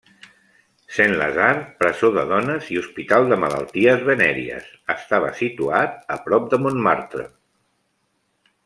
Saint-Lazare, presó de dones i hospital de malalties venèries, estava situat a prop de Montmartre.